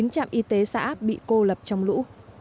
một mươi chín trạm y tế xã bị cô lập trong lũ